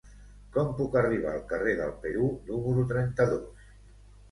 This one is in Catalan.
Com puc arribar al carrer del Perú número trenta-dos?